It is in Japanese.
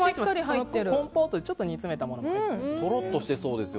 コンポートでちょっと煮詰めたものが入ってます。